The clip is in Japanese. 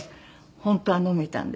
本当は飲めたんですけど。